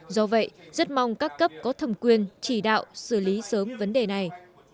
do vậy rất mong các cấp có thẩm quyền chỉ đạo xử lý sớm vấn đề này